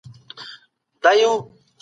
اقتصادي څرخ باید تل په حرکت کي وي.